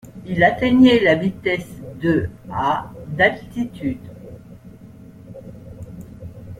Il atteignait la vitesse de à d'altitude.